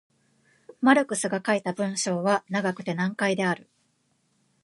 マルクスが書いた文章は長くて難解である。